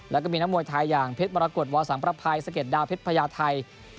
แล้วก็มีนักมวยไทยอย่างเพชรมรกฏวอสังประภัยสะเด็ดดาวเพชรพญาไทย